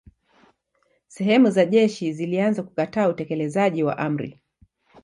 Sehemu za jeshi zilianza kukataa utekelezaji wa amri.